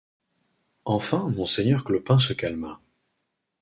Enfin monseigneur Clopin se calma.